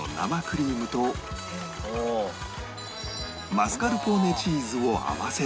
マスカルポーネチーズを合わせる